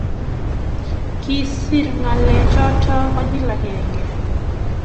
Kigeere ngalechoto konyil agenge